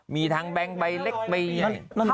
มีทั้งแบงค์ใบเล็กใบใหญ่